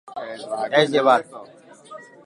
Es llevar